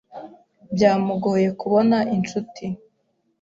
Byamugoye kubona inshuti.